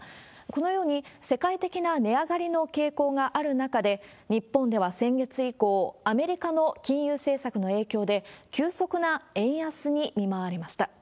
このように、世界的な値上がりの傾向がある中で、日本では先月以降、アメリカの金融政策の影響で、急速な円安に見舞われました。